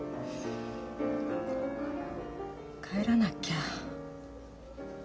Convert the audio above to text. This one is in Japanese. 帰らなきゃ。